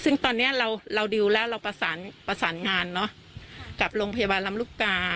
ซึ่งตอนนี้เราดิวแล้วเราประสานงานกับโรงพยาบาลลำลูกกา